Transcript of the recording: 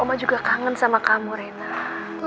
ma juga kangen sama kamu reina